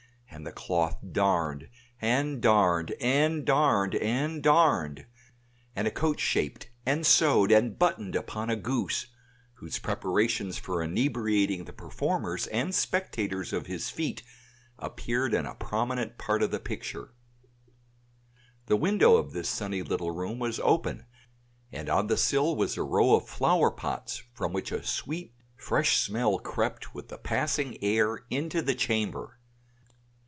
and the cloth *'d and *'d and *'d and *'d, and a coat shaped and sewed and buttoned upon a goose, whose preparations for inebriating the performers and spectators of his feat appeared in a prominent part of the picture. The window of this sunny little room was open and on the sill was a row of flower pots from which a sweet fresh smell crept with the passing air into the chamber.